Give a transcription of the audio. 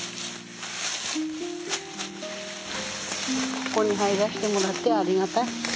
ここに入らせてもらってありがたい。